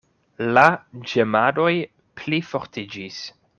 La ĝemadoj plifortiĝis.